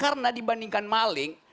karena dibandingkan maling